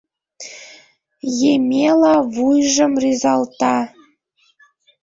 Емела вуйжым рӱзалта.